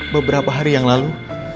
beberapa hari yang lalu